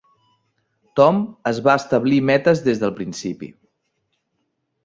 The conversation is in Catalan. Tom es va establir metes des del principi.